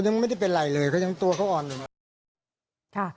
เดี๋ยวเขายังตัวเขาอ่อนหนึ่ง